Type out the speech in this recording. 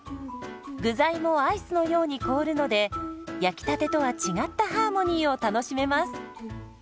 具材もアイスのように凍るので焼きたてとは違ったハーモニーを楽しめます。